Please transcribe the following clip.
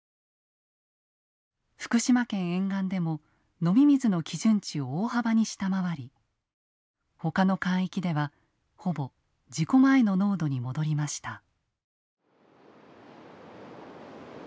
福島県沿岸でも飲み水の基準値を大幅に下回りほかの海域ではほぼ事故前の濃度に戻りました。